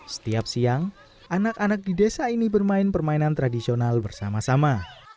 setiap siang anak anak di desa ini bermain permainan tradisional bersama sama